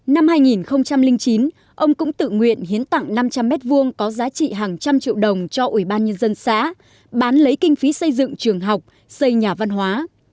năm hai nghìn chín ông cũng tự nguyện hiến tặng năm trăm linh m hai có giá trị hàng trăm triệu đồng cho ủy ban nhân dân xã bán lấy kinh phí xây dựng trường học xây nhà văn hóa